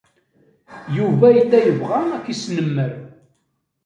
Yuba yella yebɣa ad k-yesnemmer.